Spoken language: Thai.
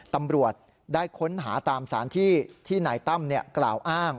ตำรวจได้ค้นหาตามสารที่ที่นายตั้มกล่าวอ้าง